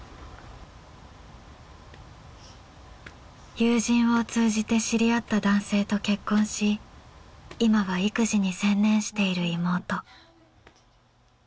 友人を通じて知り合った男性と結婚し今は育児に専念している妹。